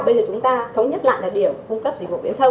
bây giờ chúng ta thống nhất lại là điểm cung cấp dịch vụ viễn thông